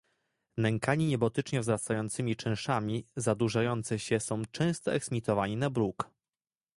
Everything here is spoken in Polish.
Nękani niebotycznie wzrastającymi czynszami, zadłużający się, są często eksmitowani na bruk